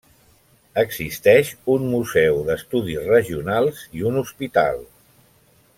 Existeix un museu d'estudis regionals, i un hospital.